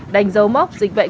đành dấu mốc dịch bệnh